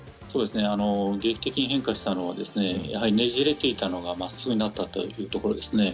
劇的に変化したのはやはり、ねじれていたのがまっすぐになったというところですね。